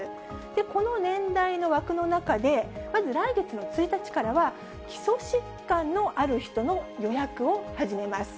この年代の枠の中で、まず来月の１日からは、基礎疾患のある人の予約を始めます。